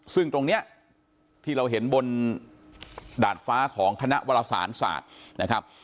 ซึ่งตรงนี้ที่เราเห็นบนดาดฟ้าของคณะวรสารศาสตร์นะครับ